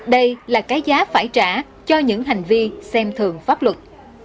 đây là cái giá phải trả cho những hành vi xem thường pháp luật